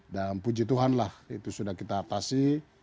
dan puji tuhanlah itu sudah kita atasi